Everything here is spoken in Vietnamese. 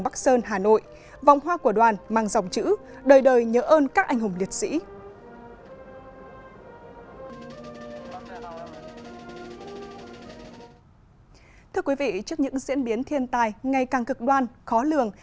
thưa quý vị trước những diễn biến thiên tài ngày càng cực đoan khó lường